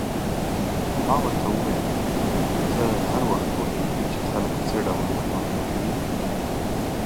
ما ورته وویل: ته هر وخت پوهېږې چې خلک څه ډول ګومانونه کوي؟